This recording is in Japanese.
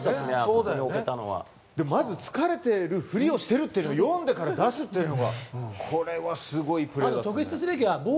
まず、疲れているふりをしているというのを読んでから出すというのがこれはすごいプレー。